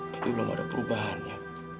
tapi belum ada perubahannya